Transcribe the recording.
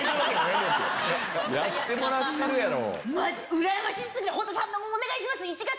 やってもらってるやろ。